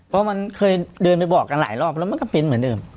เพราะมันเคยเดินไปบอกกันหลายรอบแล้วมันก็เป็นเหมือนเดิม